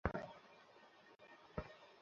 এত সূক্ষ্ম ক্যালকুলেশন কীভাবে করলে?